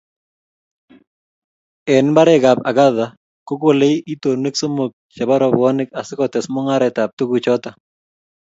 eng mbarekab Agatha, kokolei itonwek somok chebo robwoniek asikotes mung'aretab tukuchoto